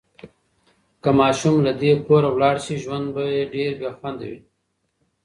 که ماشوم له دې کوره لاړ شي، ژوند به ډېر بې خونده وي.